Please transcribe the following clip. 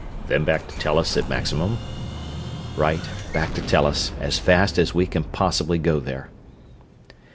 "Then back to Tellus at maximum?" "Right back to Tellus, as fast as we can possibly go there."